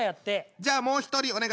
じゃあもう一人お願いします。